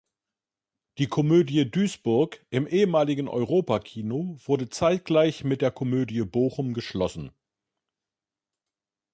Die Comödie Duisburg im ehemaligen "Europa-Kino" wurde zeitgleich mit der Comödie Bochum geschlossen.